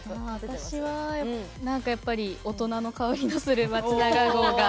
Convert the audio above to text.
私は何かやっぱり大人の香りのする松永号が。